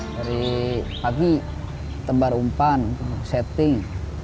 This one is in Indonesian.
dari pagi tembar umpan setting